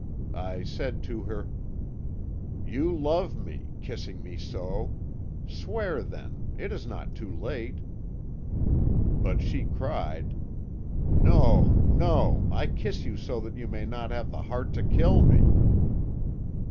I said to her: "'You love me, kissing me so; swear then; it is not too late!' "But she cried: "No, no! I kiss you so that you may not have the heart to kill me!'